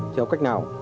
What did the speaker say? theo cách nào